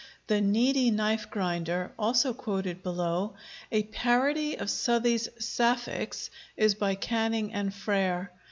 'The Needy Knife Grinder,' also quoted below, a parody of Southey's 'Sapphics,' is by Canning and Frere.